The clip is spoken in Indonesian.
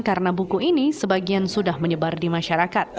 karena buku ini sebagian sudah menyebar di masyarakat